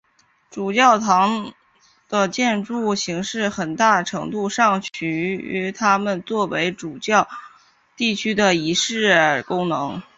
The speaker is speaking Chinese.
主教座堂的建筑形式很大程度上取决于它们作为主教驻地的仪式功能。